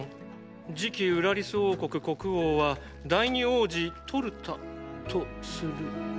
次期ウラリス王国国王は第２王子トルタとする」。